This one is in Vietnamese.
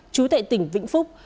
trú tại tỉnh vĩnh phúc